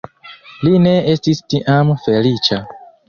Li ne estis tiam feliĉa.